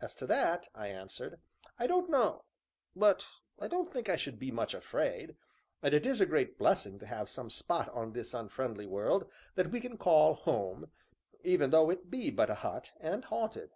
"As to that," I answered, "I don't know, but I don't think I should be much afraid, and it is a great blessing to have some spot on this unfriendly world that we can call 'home' even though it be but a hut, and haunted."